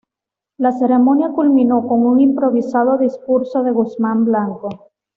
La ceremonia culminó con un improvisado discurso de Guzmán Blanco.